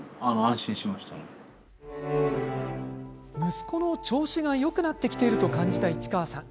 息子の調子がよくなってきていると感じた市川さん。